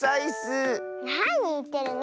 なにいってるの。